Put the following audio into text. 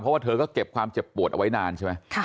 เพราะว่าเธอก็เก็บความเจ็บปวดเอาไว้นานใช่ไหม